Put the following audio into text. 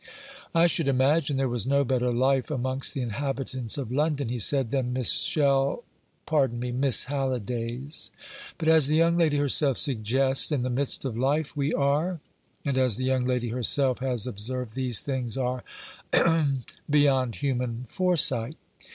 "I should imagine there was no better life amongst the inhabitants of London," he said, "than Miss Shel pardon me Miss Halliday's. But, as the young lady herself suggests, 'in the midst of life we are '; and, as the young lady herself has observed, these things are ahem beyond human foresight.